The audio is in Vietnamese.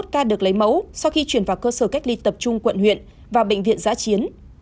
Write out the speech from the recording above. một mươi ca được lấy mẫu sau khi chuyển vào cơ sở cách ly tập trung quận huyện và bệnh viện giã chiến